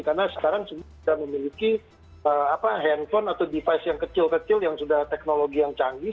karena sekarang sudah memiliki handphone atau device yang kecil kecil yang sudah teknologi yang canggih